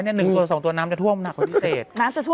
๑ตัว๒ตัวน้ำจะท่วมหนักกว่าพิเศษ